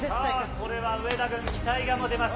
これは上田軍、期待が持てます。